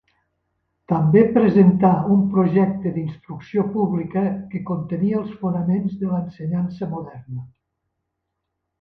També presentà un projecte d'instrucció pública que contenia els fonaments de l'ensenyança moderna.